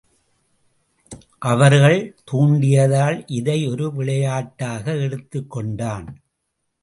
அவர்கள் தூண்டியதால் இதை ஒரு விளையாட்டாக எடுத்துக் கொண்டான்.